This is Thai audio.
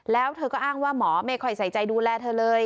แล้วเธอก็อ้างว่าหมอไม่ค่อยใส่ใจดูแลเธอเลย